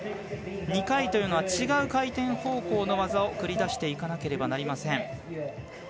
２回というのは違う回転方向の技を繰り出していかなければいけません。